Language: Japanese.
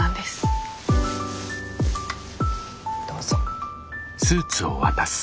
どうぞ。